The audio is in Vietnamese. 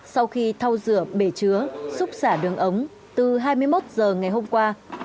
sau khi thau rửa bể chứa xúc xả đường ống từ hai mươi một h ngày hôm qua